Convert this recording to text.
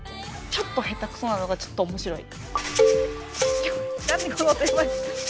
ちょっと下手くそなのがちょっと面白い。